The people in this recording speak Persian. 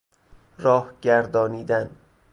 راه گردانیدن